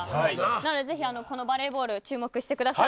なので、ぜひこのバレーボール注目してください。